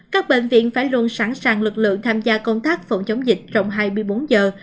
các bệnh viện phải luôn sẵn sàng lực lượng tham gia công tác phòng chống dịch trong hai mươi bốn giờ